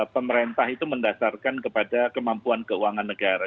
pemerintah itu mendasarkan kepada kemampuan keuangan negara